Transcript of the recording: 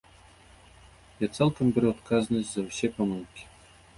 Я цалкам бяру адказнасць за ўсе памылкі.